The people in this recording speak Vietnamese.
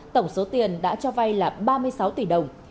tổng số tiền đã cho vay là ba mươi sáu tỷ đồng